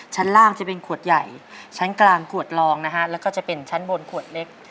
ชั้นล่างจะเป็นขวดใหญ่ชั้นกลางขวดลองนะฮะแล้วก็จะเป็นชั้นบนขวดเล็ก